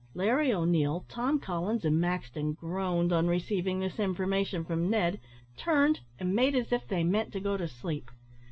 Larry O'Neil, Tom Collins, and Maxton groaned, on receiving this information from Ned, turned, and made as if they meant to go to sleep.